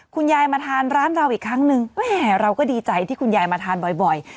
คุณยายมาทานร้านเราอีกครั้งนึงแม่เราก็ดีใจที่คุณยายมาทานบ่อย